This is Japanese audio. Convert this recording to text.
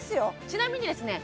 ちなみにですね